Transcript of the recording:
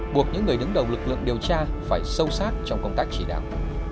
buộc những người đứng đầu lực lượng điều tra phải sâu sát trong công tác chỉ đạo